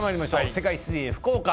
世界水泳福岡。